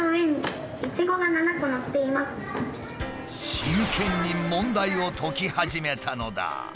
真剣に問題を解き始めたのだ。